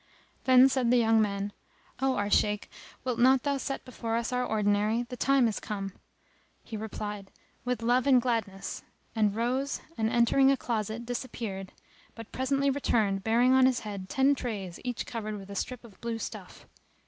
Then said the young men, "O our Shaykh, wilt not thou set before us our ordinary? The time is come." He replied, "With love and gladness," and rose and entering a closet disappeared, but presently returned bearing on his head ten trays each covered with a strip of blue stuff.